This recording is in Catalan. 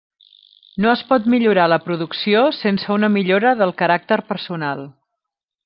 No es pot millorar la producció sense una millora del caràcter personal.